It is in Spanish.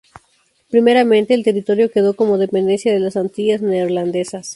Primeramente el territorio quedó como dependencia de las Antillas Neerlandesas.